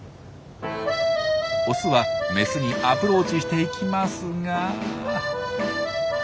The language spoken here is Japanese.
オスはメスにアプローチしていきますが。